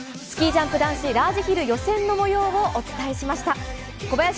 スキージャンプ男子ラージヒル予選の模様をお伝えしました。